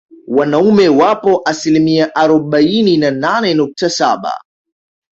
Wanaume wapo asilimia arobaini na nane nukta saba